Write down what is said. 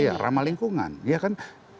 iya ramah lingkungan